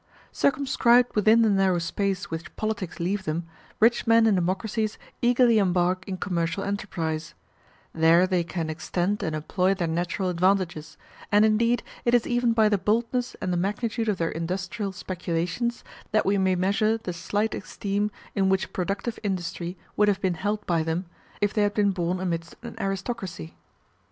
Circumscribed within the narrow space which politics leave them, rich men in democracies eagerly embark in commercial enterprise: there they can extend and employ their natural advantages; and indeed it is even by the boldness and the magnitude of their industrial speculations that we may measure the slight esteem in which productive industry would have been held by them, if they had been born amidst an aristocracy.